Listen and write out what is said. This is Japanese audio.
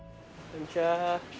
・こんにちは。